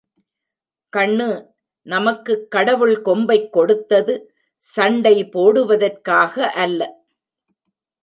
கண்ணு, நமக்குக் கடவுள் கொம்பைக் கொடுத்தது சண்டை போடுவதற்காக அல்ல.